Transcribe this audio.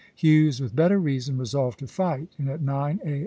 Hughes, with better reason, resolved to fight; and at nine A.